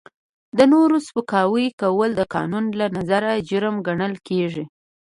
د نورو سپکاوی کول د قانون له نظره جرم ګڼل کیږي.